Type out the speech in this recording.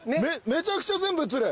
めちゃくちゃ全部写る。